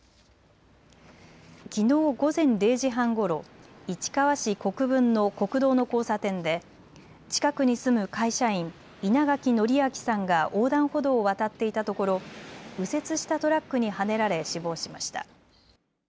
きのう午前０時半ごろ、市川市国分の国道の交差点で近くに住む会社員、稲垣徳昭さんが横断歩道を渡っていたところ右折したトラックにはねられ死亡しました。